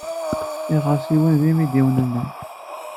Iɣersiwen d imidiwen-nneɣ.